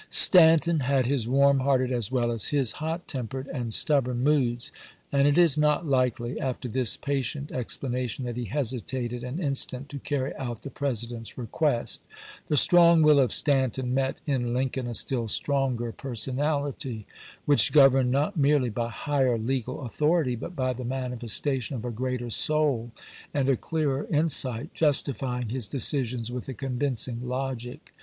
Stanton had his isei. ms. warm hearted as well as his hot tempered and stub born moods, and it is not likely, after this patient explanation, that he hesitated an instant to carry out the President's request. The strong will of Stanton met in Lincoln a still stronger personality, which governed not merely by higher legal au thority, but by the manifestation of a greater soul and a clearer insight justifying his decisions with a convincing logic.